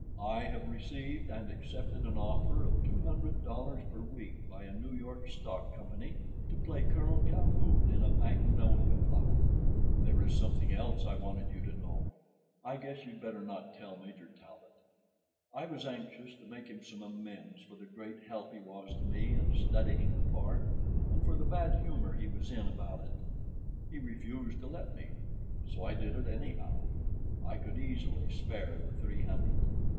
I have received and accepted an offer of two hundred dollars per week by a New York stock company to play Colonel Calhoun in A Magnolia Flower. There is something else I wanted you to know. I guess you'd better not tell Major Talbot. I was anxious to make him some amends for the great help he was to me in studying the part, and for the bad humor he was in about it. He refused to let me, so I did it anyhow. I could easily spare the three hundred.